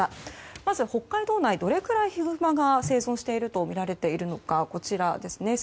まず北海道内、どれぐらいヒグマが生息しているとみられているのか。